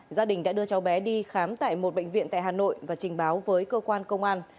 gia đình đã đưa cháu bé đi khám tại một bệnh viện tại hà nội và trình báo với cơ quan công an